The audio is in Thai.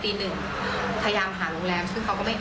พ็ีนไว้ออกมาจากตรวงนี้